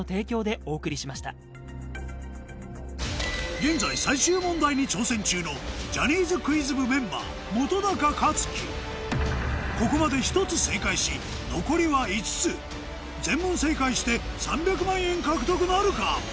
現在最終問題に挑戦中のここまで１つ正解し残りは５つ全問正解して３００万円獲得なるか？